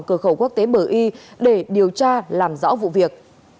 cửa khẩu quốc tế bờ y để điều tra làm rõ vụ việc